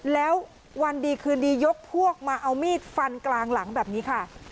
แล้ววันดีคืนดียกพวกมาเอามีดฟันกลางหลังแบบนี้ค่ะ